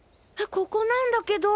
ここなんだけど。